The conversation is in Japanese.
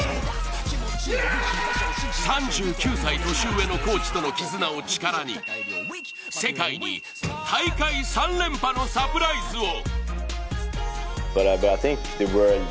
３９歳年上のコーチとの絆を力に世界に大会３連覇のサプライズを。